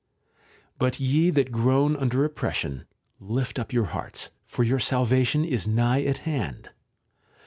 But ye that groan under oppression, lift up your hearts, for your salvation is nigh at hand.